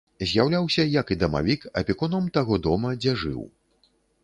З'яўляўся, як і дамавік, апекуном таго дома, дзе жыў.